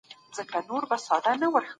سړي سر عاید د ژوند د کچي ښه معیار دی.